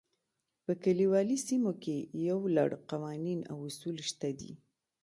په کلیوالي سیمو کې یو لړ قوانین او اصول شته دي.